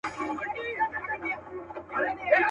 په قصاب چي دي وس نه رسېږي وروره.